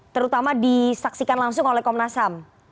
terutama disaksikan langsung oleh komnas ham